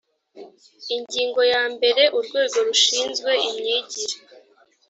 ingingo ya mbere urwego rushinzwe imyigire